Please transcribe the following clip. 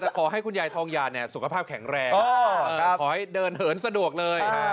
แต่ขอให้คุณยายทองหยาเนี่ยสุขภาพแข็งแรงขอให้เดินเหินสะดวกเลย